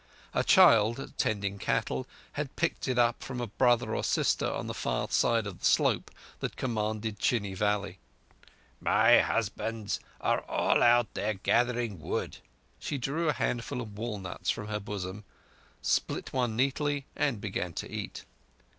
A child tending cattle had picked it up from a brother or sister on the far side of the slope that commanded Chini valley. "My husbands are also out there gathering wood." She drew a handful of walnuts from her bosom, split one neatly, and began to eat.